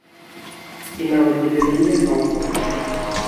І нават не да мяне, а ўвогуле.